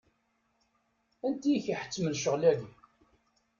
Anti i k-iḥettmen ccɣel-agi?